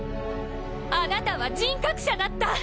あなたは人格者だった！